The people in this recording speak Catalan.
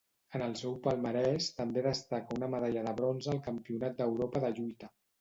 En el seu palmarès també destaca una medalla de bronze al campionat d'Europa de lluita.